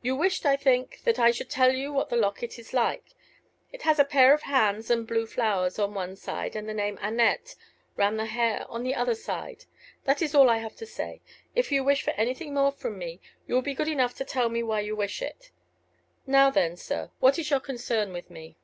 You wished, I think, that I should tell you what the locket is like. It has a pair of hands and blue flowers on one side and the name Annette round the hair on the other side. That is all I have to say. If you wish for anything more from me, you will be good enough to tell me why you wish it. Now then, sir, what is your concern with me?"